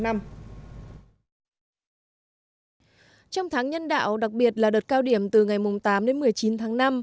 trong tháng nhân đạo đặc biệt là đợt cao điểm từ ngày tám đến một mươi chín tháng năm